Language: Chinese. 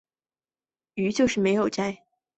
於是就没有摘